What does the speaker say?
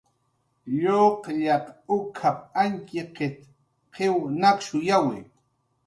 "Luqllaq uk""ap"" Antxqit"" qiw nakshuyawi"